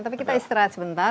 tapi kita istirahat sebentar